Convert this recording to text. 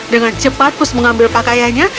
dengan cepat pus mengambil pakaiannya